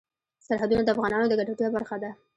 سرحدونه د افغانانو د ګټورتیا برخه ده.